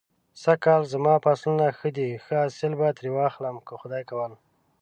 سږ کال زما فصلونه ښه دی. ښه حاصل به ترې واخلم که خدای کول.